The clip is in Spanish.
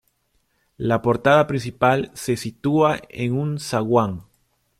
La portada principal se sitúa en un zaguán.